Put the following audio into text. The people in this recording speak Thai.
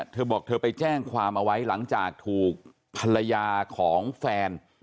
เธอบอกเธอไปแจ้งความเอาไว้หลังจากถูกภรรยาของแฟน